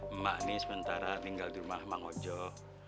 emak ini sementara tinggal di rumah emak ngocok